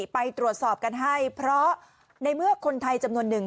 ไปตรวจสอบกันให้เพราะในเมื่อคนไทยจำนวนหนึ่ง